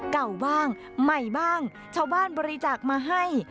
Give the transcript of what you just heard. เก่าบ้างใหม่บ้างชาวบ้านบริจาคมาให้